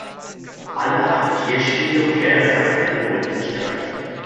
Alle acht Kirchspiele und mehrere Kapellen wurden zerstört.